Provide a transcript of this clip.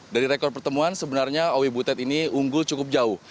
dari rekor pertemuan sebenarnya owi butet ini unggul cukup jauh